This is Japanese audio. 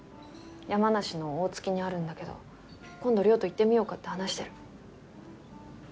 山梨の大月にあるんだけど今度稜と行ってみようかって話してる。